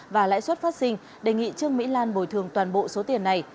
và lãi suất phát sinh đề nghị trương mỹ lan bồi thường toàn bộ số tiền này